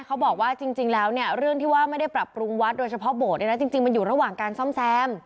เขาบอกว่าจริงแล้วเนี่ยเรื่องที่ว่าไม่ได้ปรับปรุงวัดโดยเฉพาะโบสถ์เนี่ยนะจริงมันอยู่ระหว่างการซ่อมแซม